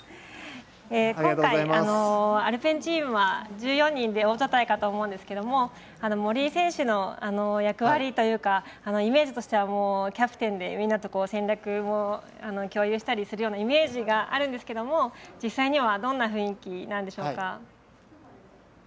今回、アルペンチームは１４人で大所帯かと思うんですけれども森井選手の役割というかイメージとしてはキャプテンで、みんなと戦略も共有したりするイメージがあるんですけれども実際にはどんな雰囲気なんでしょうか？